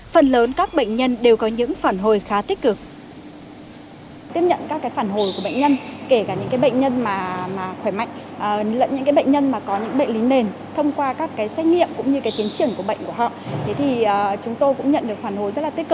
phần lớn các bệnh nhân đều có những phản hồi khá tích cực